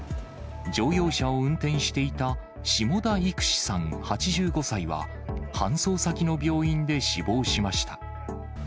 乗用車を運転していた下田育司さん８５歳は、搬送先の病院で死亡しました。